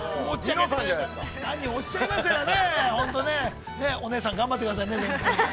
◆何をおっしゃいますやら、お姉さん、頑張ってくださいね。